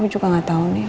aku juga gak tau nih